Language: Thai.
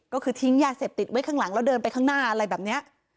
ก็คือทิ้งยาเสพติดไว้ข้างหลังแล้วเดินไปข้างหน้าอะไรแบบนี้